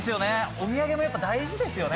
お土産も大事ですよね。